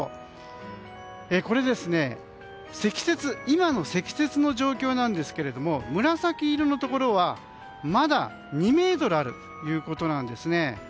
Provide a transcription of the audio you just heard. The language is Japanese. これは今の積雪の状況なんですが紫色のところはまだ２ｍあるということなんです。